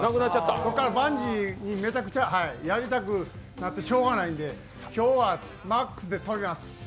そこからバンジー、めちゃくちゃやりたくなってしょうがないので今日はマックスで飛びます。